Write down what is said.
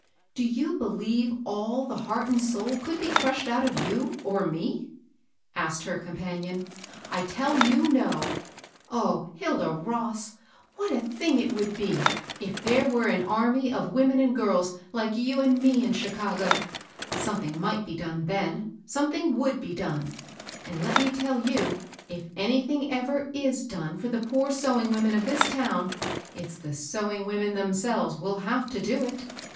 «( Do you believe all the heart and soul could be crushed out of you or me ?" asked her companion. " I tell you no 1 O Hilda Ross I what a lling it would be, if there were an army of women and girls like you and me in Chic^ol Something might be done then, — something would be done. And let me tell you, if anything ever is done for the poor sewing^women of this town, it's the sew ing women themselves will have to do it.